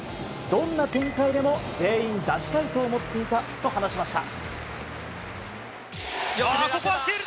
どんな展開でも全員出したいと思っていたと話しました。